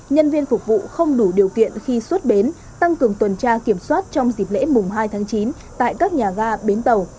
nhân viên phục vụ không đủ điều kiện khi xuất bến tăng cường tuần tra kiểm soát trong dịp lễ mùng hai tháng chín tại các nhà ga bến tàu